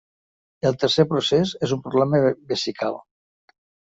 El tercer procés és un problema vesical.